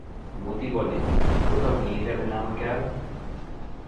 মতি বলে, কোথাও নিয়ে যাবে না আমাকে আজ?